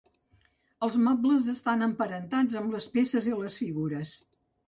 Els mobles estan emparentats amb les peces i les figures.